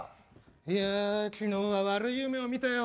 いや昨日は悪い夢を見たよ。